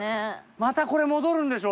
またこれ戻るんでしょ？